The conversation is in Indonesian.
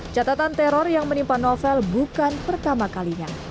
catatan teror yang menimpa novel bukan pertama kalinya